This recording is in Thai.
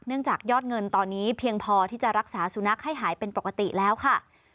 จากยอดเงินตอนนี้เพียงพอที่จะรักษาสุนัขให้หายเป็นปกติแล้วค่ะ